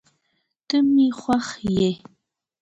ته مي خوښ یې